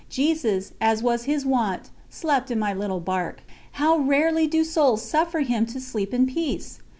Jesus, as was His wont, slept in my little barque. How rarely do souls suffer Him to sleep in peace!